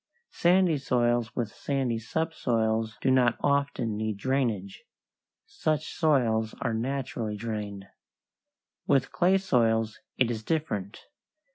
Sandy soils with sandy subsoils do not often need drainage; such soils are naturally drained. With clay soils it is different.